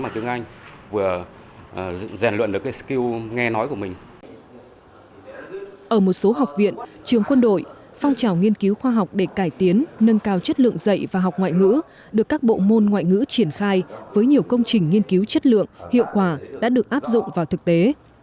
trường quân đội phong trào nghiên cứu khoa học để cải tiến nâng cao chất lượng dạy và học ngoại ngữ được các bộ môn ngoại ngữ triển khai với nhiều công trình nghiên cứu chất lượng hiệu quả đã được áp dụng vào thực tế